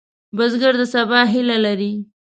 بزګر د سبا هیله لري